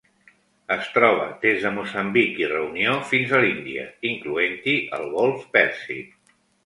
Es troba des de Moçambic i Reunió fins a l'Índia, incloent-hi el Golf Pèrsic.